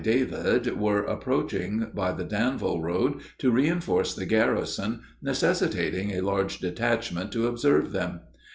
David, were approaching by the Danville road to reinforce the garrison, necessitating a large detachment to observe them.